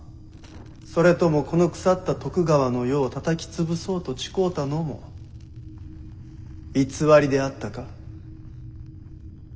それともこの腐った徳川の世をたたき潰そうと誓うたのも偽りであったか？